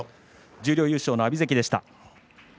十両優勝の阿炎関でした。